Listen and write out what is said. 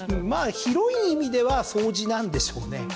広い意味では掃除なんでしょうね。